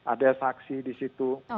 ada saksi disitu